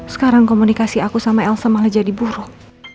sekarang komunikasi aku sama elsa malah jadi buruk